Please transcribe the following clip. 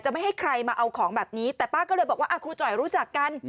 ไม่ให้ใครมาเอาของแบบนี้แต่ป้าก็เลยบอกว่าครูจ่อยรู้จักกัน